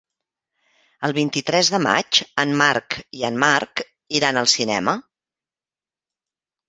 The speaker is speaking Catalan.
El vint-i-tres de maig en Marc i en Marc iran al cinema.